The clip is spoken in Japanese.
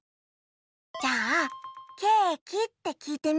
じゃあ「ケーキ？」ってきいてみようよ。